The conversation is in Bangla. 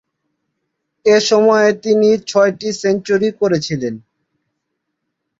এ সময়ে তিনি ছয়টি সেঞ্চুরি করেছিলেন।